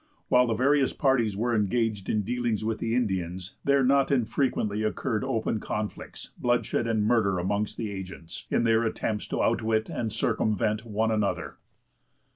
While the various parties were engaged in dealings with the Indians, there not infrequently occurred open conflicts, bloodshed, and murder among the agents, in their attempts to outwit and circumvent one another.